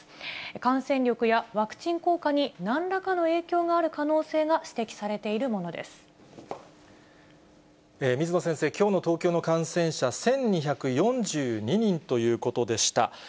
感染力やワクチン効果になんらかの影響がある可能性が指摘されて水野先生、きょうの東京の感染者、１２４２人ということでした。